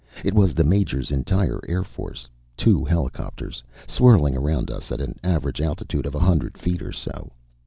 It was the Major's entire air force two helicopters, swirling around us at an average altitude of a hundred feet or so.